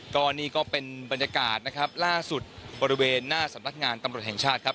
ก็นี่ก็เป็นบรรยากาศนะครับล่าสุดบริเวณหน้าสำนักงานตำรวจแห่งชาติครับ